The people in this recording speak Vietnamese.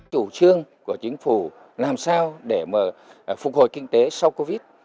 chủ trương của chính phủ làm sao để mà phục hồi kinh tế sau covid